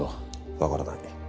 わからない。